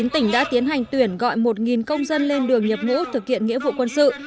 tỉnh đã tiến hành tuyển gọi một công dân lên đường nhập ngũ thực hiện nghĩa vụ quân sự